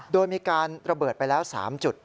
โดยมีการระเบิดไปแล้ว๓จุด